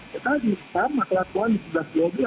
tetap diutama telatuan di tujuh belas tahun